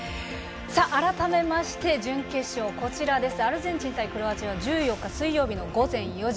改めまして準決勝アルゼンチン対クロアチアは１４日、水曜日の午前４時。